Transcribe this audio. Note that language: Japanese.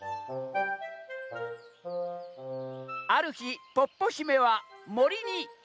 「あるひポッポひめはもりにいきました」。